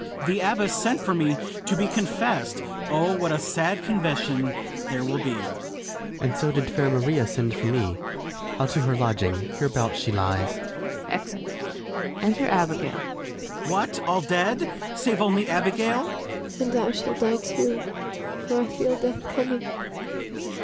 The abbess sent for me to be confess'd: O, what a sad confession will there be! FRIAR JACOMO. And so did fair Maria send for me: I'll to her lodging; hereabouts she lies. [Exit.] Enter ABIGAIL. FRIAR BARNARDINE. What, all dead, save only Abigail! ABIGAIL. And I shall die too, for I feel death coming.